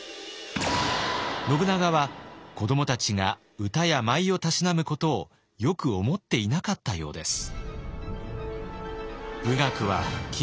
信長は子どもたちが歌や舞をたしなむことをよく思っていなかったようです。